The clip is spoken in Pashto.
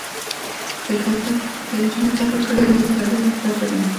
که نجونې زده کړې وکړي نو د پردیو محتاج به نه وي.